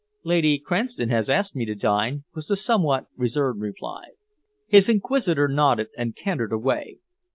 "Lady Cranston has asked me to dine," was the somewhat reserved reply. His inquisitor nodded and cantered away.